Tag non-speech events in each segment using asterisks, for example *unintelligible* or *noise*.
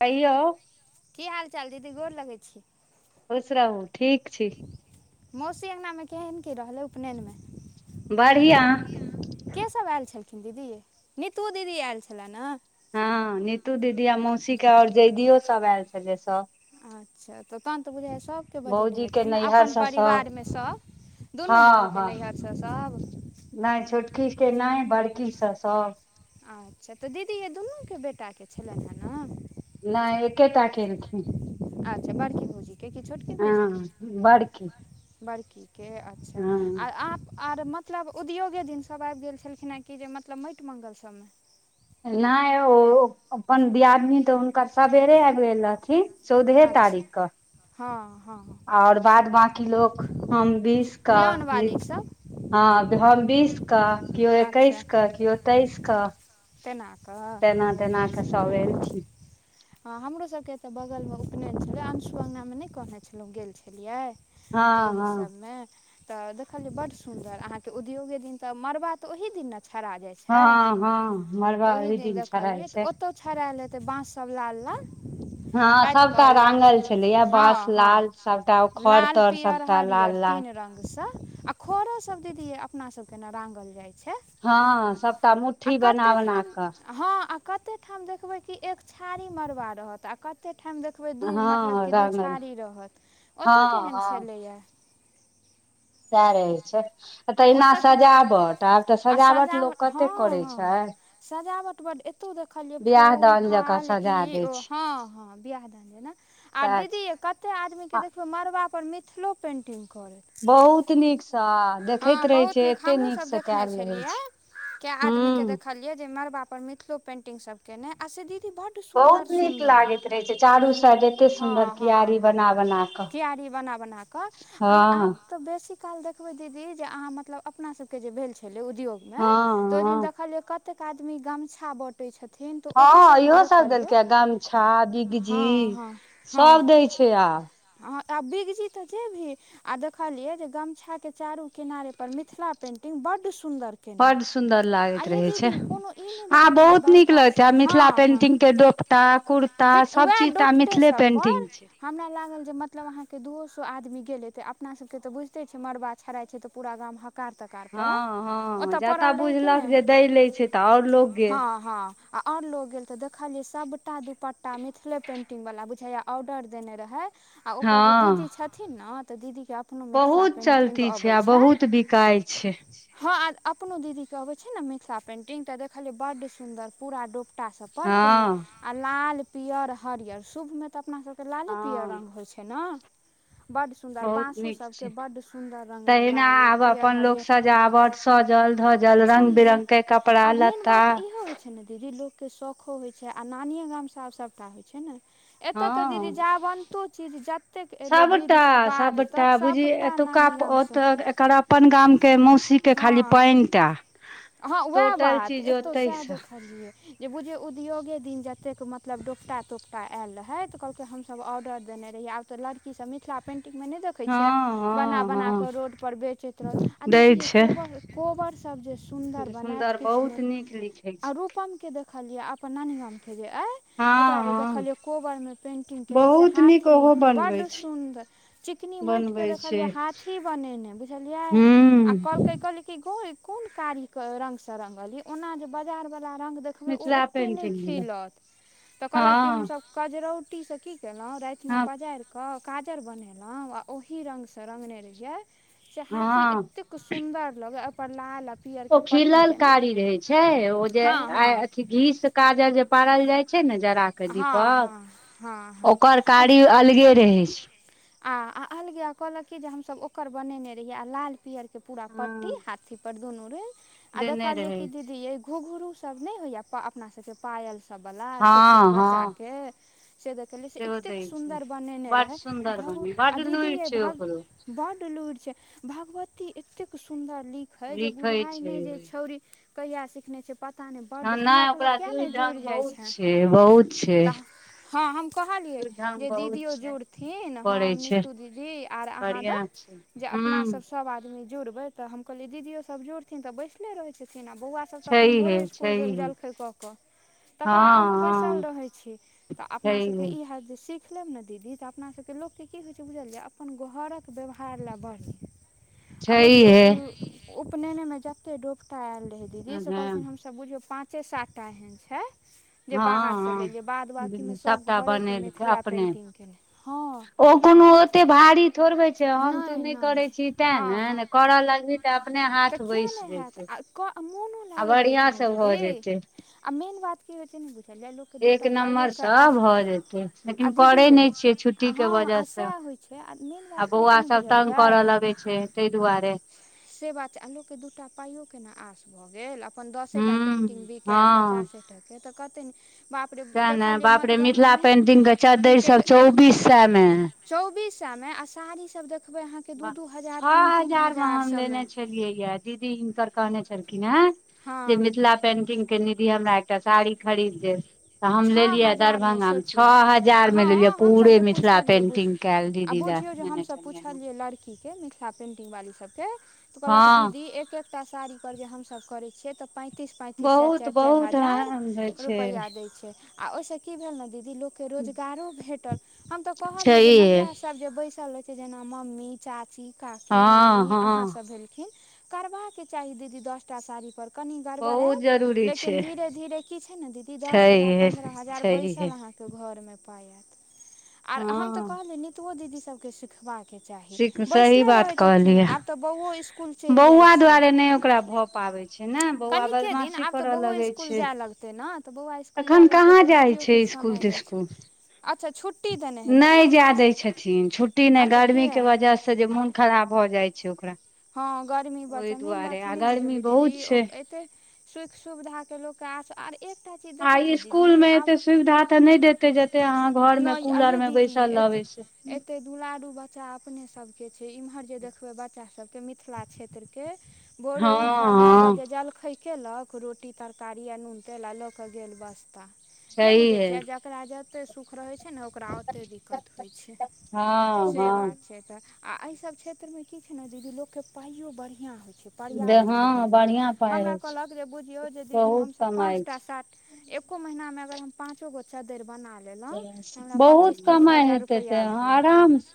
कहियौ। की हाल-चाल दीदी गोड़ लगै छी। खश रहु, ठीक छी। मौसी अंगना मे केहेन की रहलै उपनैनमे। बढ़िया बढ़ियाँ, के सब आएल छलखिन दीदी नीतू दीदी आएल छलैन ए। हां नीतू दीदी आ मौसी के और जैधियो सब आएल छलै सब। अच्छा तऽ तहन तऽ बुझाए सबके बजैने भौजी के हेथिन, नैहर अपन से सब परिवार मे सब। दुनू भौजी के नैयहर से सब। नै छोटकी के नै, बड़की से सब। अच्छा तऽ दीदी हे दुनू के बेटा के छलैन हय ना। नहि एकेटा केलखिन अच्छा बड़की भौजी कियैकि छोटकी भौजीके हँ बड़की बड़कीके अच्छा हँ आर आप आर मतलब उद्योगे दिन सब आबि गेल छलखिनें कि जे मतलब माटि मंगल सबमे नहि ओ अपन दियादनी तऽ हुनकर सबेरे आबि गेल रहथिन चौदहे अच्छा तारीखक हँ हँ और बाद बाकी लोक हम बीस क लिअनवाली नीत सब हँ हम बीस कऽ केओ एकैस कऽ केओ तेइस कऽ तेनाक धीरे धीरे से सब एलखिन हँ हमरोसभके एतऽ बगलमे उपनयन छलै अंशु अंगनामे नहि कहने छलहुँ गेल छलियै तऽ हँ ओहि हँ सभमे तऽ देखलिये बड सुदर अहाँ के उद्योगे दिन तऽ मड़बा तऽ ओहि दिन ने छड़ा जाय छै हँ हँ तऽ मड़बा ओहि दिन छोड़ाइ देखलियै तऽ छै ओतहु छड़ैल हेतै बाँस सब लाल लाल हँ काटि कऽ सभटा ला रांगल छलैया बाँस हँ हँ लाल सभटा खर लाल, तर पियर, सभटा हरियर लाल लाल तीन रंगसँ आ खरो सब दीदी यै अपना सबके ने रांगल जाइ छै हँ सब आ कते ठाम हँ आ कते ठाम कते ठाम देखबै की एक छाड़ी मरबा रहत आ कते ठाम देख देखबै दू मतलब हँ कि दू रांगल छाड़ी रहत ओतऽ हँ कैहेन छलैया‌ सैह रहय छैय आ तहिना ओतय केहन सजावट आब तऽ आ सजावट लोक हँ कतैक कोरइ हँ छैय सजावट बड एत ऐतो देखलियै बियाह फूल दान जकाँ फाल सजा ई दै ओ छै हँ हँ बियाह दान जेना आ सएह छै दीदी यै कतैक आदमी आ के देखियौ मड़बा पर मिथिलो पेन्टिंग करइत बहुत नीक सँ देखैत रहै बहुत छैय एते नीक सँ कैल रहै छैय कै आदमी के देखलियै जे मड़बा पर मिथिलो पेंटिंग सब केने आ से दीदी बड सुन्दर बहुत नीक सुन्दर लागैत रहै छै चारू साइड एते हँ सुन्दर हँ कियारी हँ बना बना कऽ कियारी बना बना क हँ आब तऽ बेसि काल देखबैय दीदी जे अहाँ मतलब अपना सबके भेल छलय उद्योग मे हँ तऽ ओहि हँ दिन देखलियै कतेक आदमी गमछा बँटै छथिन तऽ ओहो हँ सभपर इहो सब देखलियै देलकै गमछा हँ बिगजी सब दैय छैय आब। हॅं आ बिगजी तऽ जेभी आ देखलियै जे गमछा के चारू किनारे पर मिथिला पेंटिंग बड सुंदर केना बड सुन्दर आ लागैत यै रहे छै दीदी कोनो ई नहि आ देखलिय जे बहुत नीक बड़का लगैत छै आ मिथिला हँ हँ पेंटिंग के दोपटा कुर्ता बि सब वैह चीज तऽ आ डोपटे मिथिले सब पेंटिंग पर। छै हमरा लागल जे मतलब अहाँ के दूओ सौ आदमी गेल हेतै अपना सब के त बुझते छियै मड़बा छड़ाय छैय तऽ पूरा गाम हक हकार तकार पड़ल हँ हँ ओतऽ जतऽ पड़ल रहै कि बुझलक नहि जे दै लै छै तऽ आओर लोक गेल हँ हँ। ‌ आओर लोक गेल तऽ देखलियै सभटा दुपट्टा मिथिले पेन्टिंगवला बुझाइया ऑर्डर देने रहै। आ ओकर हँ जे दीदी छथिन ने तऽ दीदी के अपनो मिथिला पेंटिग ती छै आ बहुत बिकाय छैय। हँ आर अपनो दीदी के अबै छै ने मिथिला पेंटिंग तऽ देखलियै बड सुन्दर पूरा डोप टा सब पर हँ केने आ लाल, पियर, हरियर शुभमे तऽ अपना सब तऽ लाले पियर हँ रंग होय छै ना बड सुन्दर बहुत बांसों नीक सब छै के बड तहिना आब अपन लोक सजावट सजल-धजल छैहे रंग-बिरंग के कपड़ा आ मेन लत्ता बात इहो होय छै ने दीदी लोकके शौखो होय छै आ नानिये गामसँ सबटा होय छै नै। एता ते दीदी हँ जावन्तो चीज जतेक एले विध सबटा से बाध तक सबटा नानी अप ओत गामसँ एकर अपन गामके मौसी के खाली पेएनटा। हां वाएह बात एतौ साएह सँ देखलियै। जे बुझियौ उद्योगे दिन जतेक मतलब डोपटा-तोपटा आएल रहै तऽ कहलकै हम सब ऑर्डर देने रहिये आब तऽ लड़की सब मिथला पेंटिंग मे नै दे खै छियै हँ हँ बना-बना हँ कऽ रोड पर बेचैत रह आ दै दीदी हे छै कोबर कोबर सब जे सुन्दर बनाएत किछ बहुत नै नीक लिखै छै और रूपम के देखलिये अपन नानी गामके जे अय हँ ओकरा जे हँ देखलियै कोबरमे पेन्टिंग केने से बहुत नीक हाथी ओहो बनबै बड्ड छै सुन्दर। चिकनी मैएट के बनबै छै देखलियै हाथी बनेनै बुझलियै हूँ आ कहलकै कि गै कुन कारीक रंग से रंगलये ओना जे बाजार वाला रंग दे खबै ओ मिथिला ओते नै पेंटिंग खिलत तऽ कहलक कि हम हँ सब कजरौटी से की केलौ राएत मे हँ पजाएर क काजर बनेलौ आ ओहि रंग से रंगने रहियै ते हाथी हँ एतेक सुन्दर लगे ओय पर लाल ओ पियरके पट्टी खिलल जेना कारी रहे छै ओ जे हँ आय हँ अथी घी से काजर जे पारल जाय छै नै जरा के हँ हँ हँ दीपक हँ ओकर कारी अलगे रहै छै। आ आ अलगे कहलक कि जे हमसब ओकर बनेनै रहिये आ लाल पीयर के पूरा पट्टी हँ हाथी पर दुनू रहे आ देने देखलिये रहै की दीदी ये घूघरू सब नै होयया पा अपना सब के पायल सब वला छोट-छोट हँ हँ बच्चाके। से देखेलियै से सेहो दै एतेक छै सुन्दर बनेनै बड रहै आ सुन्दर भग बने आ बड दीदी लुरि हे छै ओकरो भग बड लूर छै, भगवती एतेक सुंदर लि खै जे लिखै बुझाय छै नै जे छौड़ी कहिया सिखनाय छै। पता नै बड, हमरा कहलक कियाए नै जुड़ जाय छाए। ए बहुत छै त हां हम कहलियै लुरि ढंग जे बहुत दीदीयो छै जुड़थिन करै हम छै नीतू दीदी और अहां बढ़िया दऽ छै जे अपना हूं सब सब आदमी जुड़बै तऽ हम कहलियै दीदयो सब जुड़थिन तऽ बैसले रहै छथिन आ बौअवा सब त अपन छैहे भोरे स्कूल गेल छैहे जलखै कऽ केऽ हँ तकर बाद अहुॅं बै सल हँ रहे छी तऽ अपना सबके छैहे ई हाएत जे सिख लेब ने दीदी तऽ अपना सबके लोक के की होय छै बुझलिये अपन घरक व्यवहार लए बढ़ै। आ बुझियौ छैहे उ उपनैने में जैते डोफता आएल रहै दीदी से हँ कहलकिन हम सब बुझियो पाँचे सातटा एहन छै जे हँ बाहर से लेलियै बाद बाकी हँ मे सब सभटा घरे के बनेलकै मिथला अपने पेंटिंग के रहै हां ओ कोनो आ ओते भारी थोड़बे छै हम तू नहि नै करै छी नहि ताए हँ नै हँ ने करऽ लागबी तऽ अपने तऽ हाथ किया बैस नहि हैत जेतै आ कऽ मोनो आ लागऽ लगै बढ़ियाँ छै ने से भ दीदी जेतै। आ मेन बात कि होय छै ने बुझलिये लोक एक नम्मर से भऽ जेतै, आ लेकिन करै दीदी यै नै छियै छुट्टीके हँ वजह आ से। सएह होइ छै मेन बात आ की होइ बौअवा छै ने सब तंग बुझलियै करऽ लगे छै तै दुआरे। से बात छै आ लोक के दूटा पाइयो के ने आस भऽ गेल आ अपन दसे हूँ टा पेन्टिग बिकायल हँ पचासे टके तऽ कतै न तें ने बाप रे मिथिला पेंटिग के चद्दर तिनकेत सब चौबीस सए मे चौबीस सै में आ साड़ी सब देखबै अहाँ के दू वाह दू छओ हजार तीन तीन मे हजार से हम लेने छेलियै दीदी हिनकर कहने छलखिन हैं हँ जे मिथिला पेंटिग के निधी हमरा एकटा साड़ी खरीद देब तऽ हम छओ लेलियै हजारमे दरभंगामे छ सोचियौ हजारमे लेलियै हँ हमसभ पुरे जे मिथिला पुछलियै बुझ पेंटिग कैल आ दीदी ले बुझियौ जे नेने हमसभ छलियैन पुछलियै लड़कीके मिथिला पेंटिग वाली सब के तऽ कहलक दीदी एक एक टा साड़ी पर जे हम सब करइ छियै तऽ पा तीस पैंतीस सर बहुत चारि चारि बहुत हजार होइ छै रुपइया दै छय। आ ओहिसँ की भेल ने दीदी लोकके रोजगारो भेटल हम तऽ कहलियै जे छैहे महिला सभ जे बैसल रहे छै जेना मम्मी, चाची, काकी, हँ मामी, हँ अहाँसभ भेलखिन करबा के चाही दीदी दसटा साड़ी पर तनि बहुत गरबडेत जरूरी लेकिन छै धिरे धिरे कि छैने दस हजार छैहे पन्द्रह हजार बैसल छैहे अहाँके के घर मे पाइ ऐत आर हम तऽ हँ कहलियन नितुओ दीदी सबके सिखबा के चाही सही बैसले बात रहै छथिन कहलियै आब तऽ बौओ स्कूल चलि जाइ बौआ छय दुआरे नहि ओकरा भऽ पाबै छै ने बौआ कनिके दिन बदमाशी आब तऽ करऽ बौओ स्कूल जाय लगतै ने तऽ बौआ स्कूल अखन कहाँ जाइ छय स्कूल तिस्कुल अच्छा छुट्टी देने हेतै नहि ने जा दै छथिन छुट्टी नहि अच्छा गर्मी किया के वजह से जे मोन खराब भऽ जाइ छय ओकरा हँ गर्मी बड ओहि छय मेन बात दुआरे छय आ नहि गर्मी बुझलियै दीदी बहुत ओ छै एतै सुख सुविधाके लोक के आस आर एक टा चीज आ देखै छीयै दीदी स्कूल मे आब एते सुविधा तऽ नहि देते जते अहाँ घर मे नहि कूलर यै मे दीदी बैसल एते रहबै से एते दुलारू बच्चा अपने सबके छय इम्हर जे देखबै बच्चा सभके मिथिल मिथिला क्षेत्र के भोरे हँ उठल नौ हँ बजे जलखै केलक रोटी, तरकारी आ नून तेल आ लऽ कऽ गेल बसता नहि सही बुझै है छियै ज जकरा जते सुख रहै छै ने ओकरा ओते दिक्कत होइ छय हँ से बात हँ छय तऽ आ एहि सब क्षेत्रमे की छय ने दीदी लोकके पाइयो बढ़िआँ होइ छय पर्याप्त हँ क्षेत्रमे बढ़िया पाइ हमरा होइ छै कहलक जे बुझियौ जे दीदी बहुत हमसभ पाँच कमाइ छै टा सात एको महीना मे अगर हम पाँच चोगो चद्दर बना लेलों त हमरा पचीस तीस हजार रुपइया घर आरामस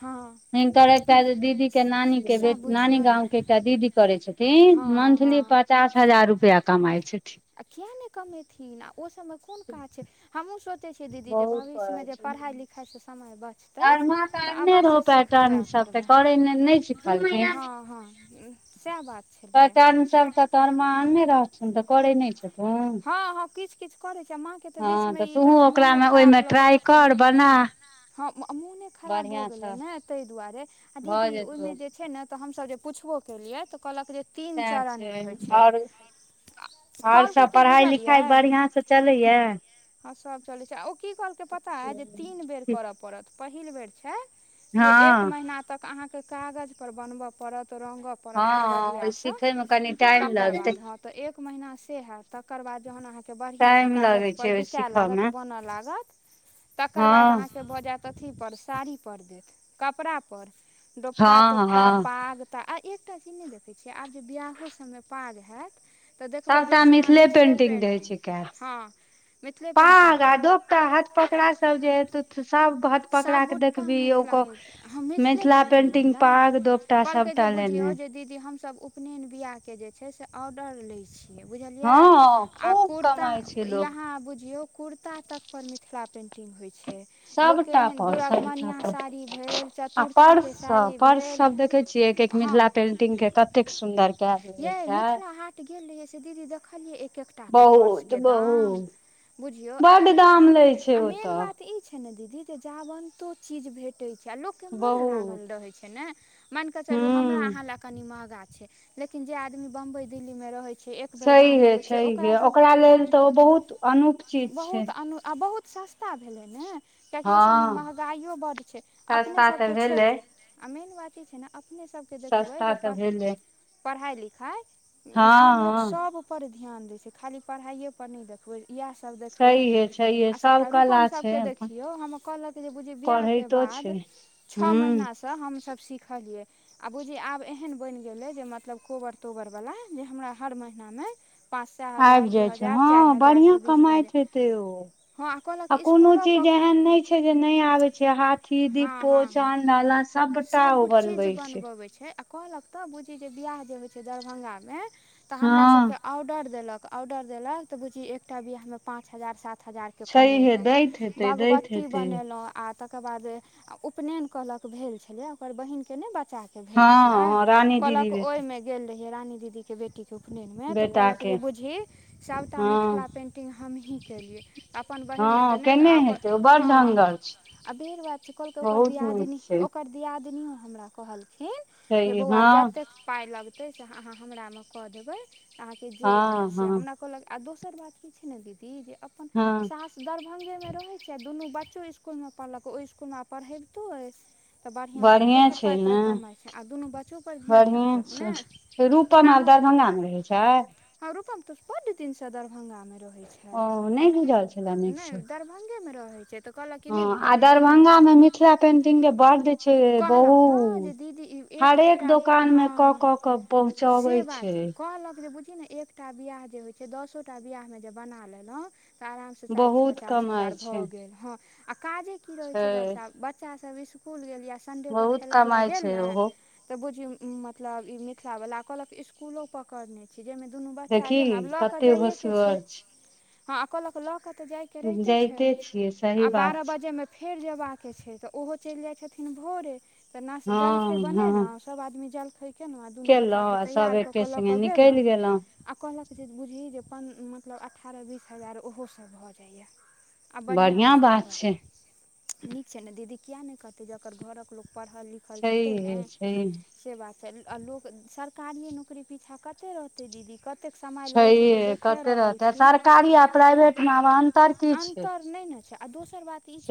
हँ हिनकर एकटा दीदी के नानी के बे सएह नानी बुझियौ गाँं के एकटा दीदी करै छथिन हँ हँ मंथली पचास हजार रुपआ कमाइ छथिन। आ किआ ने कमेथिन आ ओसभ मे कोन काज छै हमहूँ सोचै छियै दीदी जे बहुत भविष्य मे करै जे छै पढ़ाइ लिखाइ सँ समय बच तै तरमा तऽ आनने अवश्य रहौ सिखबै पैटर्न आ सब तऽ करबै करै नहि नहि सिखलखिन हँ हँ सैह बात छलैए। पैटर्न सब त तोहर माॅं अनने रहथुन तऽ करे नय छथ हँ हॅं किछ किछ करै छै माँ के त बीच में ई त मोने खराब लऽ कऽ ट्राई देखलियै कर बना हँ म मोने खराब भऽ गेलै बढ़िआँसँ ने तय दुआरे आ दीदी भऽ ओहिमे जेतौ जे छै ने तऽ हम सब जे पुछबो केलियै तऽ कहलक जे तीन सेह चरणमे छै होइ आओर आओर कहलकै सब की बुझलियै पढ़ाइ-लिखाइ बढ़िआँ से चलैए य? हँ सभ चलै छै, आ ओ की कहलकै पता हइ जे तीन बेर हँ कर पड़त पहिल बेर छै। जे एक हँ महीना तक अहाँके कागज पर बनबअ पड़त रंग पड़त कगजिया ओहि सँ सीखयमे कनि टाइम तकर लगतै बाद होत तऽ एक महीना से हेत तकर बाद जहन अहाँके बढ़ियां से टाइम लगै कागज पर छै ओहि बी लागत सीखयमे बनअ लागत तकर हँ बाद आहाके भ जायत कथी पर साड़ी पर देत कपड़ा पर हँ हँ दोपट्टा-तोपता पाग तऽ आ एकटा चीज नय देखै छियै आब जे बियाहो सभ मे पाग हयत तऽ देखबै बेसी अहाँ मिथिले पेन्टिंग हं। पाँग आ डोका हथ पकड़ा सब जे एथथ सब हाथ पकड़ा के सभगोटा देखबीही मिथिला ओको पेन्टिंग हँ मिथिले मिथिला पेंटिंग पेन्टिंगवला पाग दो कहलकै जे बुझियौ जे दीदी हम सभ उपनयन बीआह के जे छै से ऑर्डर लै छी बुझलियै हँ आ खूब कुर्ता कमाइ छै लोक यहाँ बुझियौ कुर्ता तक पर मिथिला पेन्टिंग होइ छै। लोक के सबटा एहन पर सबटा दुरागमनिआ पर साड़ी भेल चतुर्थी के साड़ी भेल छियय के मिथिला पेंटिंग के कतेक सुन्दर ये मिथिला हाट गेल रहियै से दीदी देखलियै एक एक टा के पर्स बहुत के दाम बहुत बुझियौ आ बड्ड दाम एक लै छै आ मेन ओतऽ बात ई छै ने दीदी जावन्तो चीज भेटै छै आ लोक के मोन लागल बहुत रहै छै ने। मैन केे चलु हमरा हूँ अहा ले कनि महगा छै, लेकिन जे आदमी बम्बई दिल्ली में रहे छैहीहे हे छैहीहे ओकरा लेल तऽ ओ बहुत अनूप चीज छै। बहुत अनु आ बहुत सस्ता भेलै ने। कियाकि हँ ओहि सभ मे महगाइयो बड्ड छै अपने सस्ता तऽ सबके भेलै क्षेत आ मेन बात ई छै ने अपने सबके देखबै सस्ता जे तऽ प भेलै पढ़ाइ-लिखाइ हँ आब लोक हँ सब पर ध्यान दै छै खाली पढ़ाइए पनी देखबै इएह सब देखबै छैहे छैहे आ सब सबटा रूपम कला छै सबके अपन देखियौ हम कहलक ई ज बुझि बियाह के पढ़ैतो बाद छै छह महीना हूँ स त हम सब सीखलियै आ बूझी आब एहन बनि गेलै जे मत मतलब कोबर तोबर वला जे हमरा हर महिना में आबि जाइ छै हँ हजारके बढ़िआँ बीच कए दे कमाइत हेतै ओ हँ अहा कहलक आ कोनो इसकुलो चीज पर एहन नय छै जे नय आबे छै हाथी हँ दीपो हँ हँ चाँद डाला सब टा सभ ओ चीज बनबै छै। बनबबै छै कहलहक त बुझिही जे बियाह जे होय छै दरभंगा में त हमरा हँ सबके ऑर्डर देलक ऑर्डर देलक तऽ बुझिही एकटा बिआह मे पाँच हजार सात हजार के छैहे कमेलहुँ दैत हेतै दैत भगवती हेतै बनेलाउ आ त तकर बाद अय उपनयन कहलक भेल छलै ओकर बहिनके नहि बच्चा भेल हँ छलैह हँ रानी दीदी कहलक ओहि बेटी में गेल रहयै रानी दीदी के बेटी के उपयन में तऽ बेटा कहलक के जे बुझहीं सबटा हँ मिथिला पें पेंटिंग हमहीं केलियै अप्पन बहीनमे तऽ हँ नहि तऽ केने आप हेतै ओ बड़ हॅं। ढंगर छै अबेेड़ बात छै कहलकै ओकर बहुत नीक दियादनी छै ओक ओकर दियादिनियो हमरा कहलखिन छै जे बौआ हँ जतेक पाय लग तय स अहाॅं हमरा में कऽ देबैऽ अहाॅंके जे हँ लागत सेॅं हँ हमरा कहलक आ दोसर बात की छै न दीदी जे अप्पन हँ सास दरभंगे में रहैत छै आ दुन्नू बच्चो इसकुलमे पढ़लक ओहि इसकुलमे आब पढ़ैबतो अछि। तऽ बढ़िआँसँ ओहो बढ़िएँ सभ छै पाइ ने ताइ कमाइ छै आ दुन्नू बच्चों पर ध्यान बढ़िएँ राखलक ने छै तऽ रूपम आब दरभंगा में रहै छैय। हाॅं रूपम त बड्ड दिन सॅं दरभंगा मे रहय छै। ओ नय बुझल छलै निकसॅं भंगे मे रहैत छै तऽ कहलक की नहि बुझलियै दुन्नू *unintelligible* पेंटिंग क बड्ड छै कहलक तऽ जे बहुत दीदी ई एक हरेक एकटा दोकानमे हँ *unintelligible* से बात छै कहलक जे बुझहिं ने एक एकटा बियाह जे होइ छै दसोटा बियाहमे जे बना लेलौं आरामसँ चालीस बहुत पचास कमाइ हजार भऽ छै गेल हँ आ काजे की रहैत छै बरषा ब बच्चा सब इसकुल गेल या संडेके बहुत खेलाय लेल कमाइ गेल छै ने ओहो तऽ बुझहीं मतलब ई मिथिला वल्ला कहलक स्कूलो पर करने छी जहिमे दुन्नू बच्चा देखी गेल ने आब लऽ कऽ कते जाइएके छै। होसगर हँ आ कहलक लऽ कऽ तऽ जाइके छै रहिते छै जाइते छियै सही आ बारह बात छै बज्जेमें फेर जेयबाक छै तऽ ओहो चलि जाइ छथिन भोरे तऽ ना हँ जलखै हँ बनेलहुँ सब आदमी जलखै केलहुँ आ दुन्नू केलहुँ बच्चाके आ सभ तैयार कऽ एके के लऽ संगे कऽ गेलहुँ निकलि आ कहलक जे बुझहीं जे पं मतलब अठारह बीस हजार ओहो सब भऽ जाइ छै। बढ़िआँ बात छै। नीक छै नै दीदी किएक नहि करतै जकर घरकऽ लोक पढ़ल लिखल हेयतै न छैहे छैहे से बात छै आ लोक सरकारिए नौकरी पीछाँ कते रहतै दीदी कते छैहये कते रहतै आ सरकारी आ प्राइभेटमे आब अन्तर की छै। अन्तर नहि ने छै आ दोसर बात ई छै। से